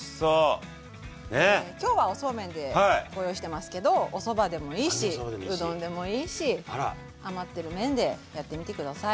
今日はおそうめんでご用意してますけどおそばでもいいしうどんでもいいし余ってる麺でやってみて下さい！